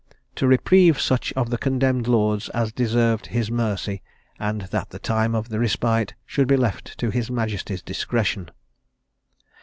"To reprieve such of the condemned lords as deserved his mercy; and that the time of the respite should be left to his majesty's discretion."